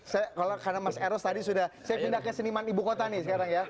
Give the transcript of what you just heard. saya kalau karena mas eros tadi sudah saya pindah ke seniman ibu kota nih sekarang ya